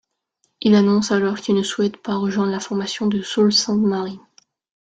Il annonce alors qu'il ne souhaite pas rejoindre la formation de Sault-Sainte-Marie.